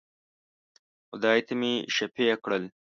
خدای ته مي شفېع کړل.